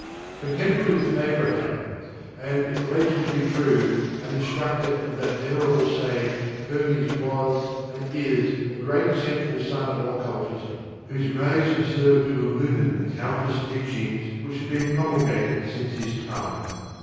Contemporary with Abraham, and, if the legends be true, an instructor of that venerable sage, Hermes was, and is, the Great Central Sun of Occultism, whose rays have served to illumine the countless teachings which have been promulgated since his time.